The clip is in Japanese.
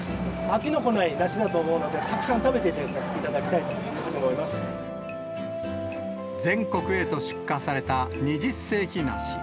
飽きのこない梨だと思うので、たくさん食べていただきたいと思全国へと出荷された二十世紀梨。